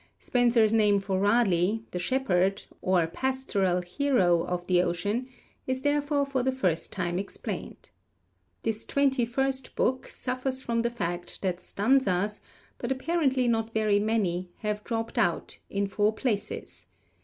Spenser's name for Raleigh, the Shepherd, or pastoral hero, of the Ocean, is therefore for the first time explained. This twenty first book suffers from the fact that stanzas, but apparently not very many, have dropped out, in four places.